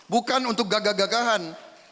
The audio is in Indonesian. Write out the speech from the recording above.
bukan untuk gagah gagahan